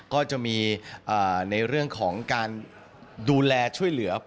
ก็จะมีในเรื่องของการดูแลช่วยเหลือ